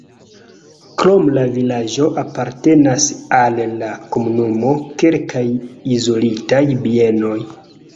Krom la vilaĝo apartenas al la komunumo kelkaj izolitaj bienoj.